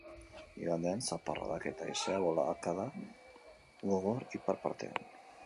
Igandean, zaparradak eta haizea boladaka gogor ipar partean.